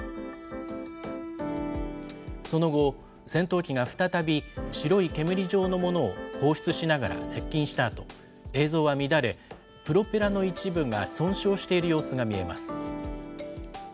その後、戦闘機が再び白い煙状のものを放出しながら接近したあと、映像は乱れ、プロペラの一部が損傷している様子が見えます。